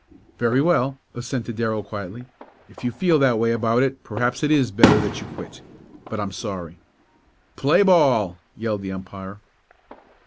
"Very well," assented Darrell quietly. "If you feel that way about it perhaps it is better that you quit. But I'm sorry." "Play ball!" yelled the umpire.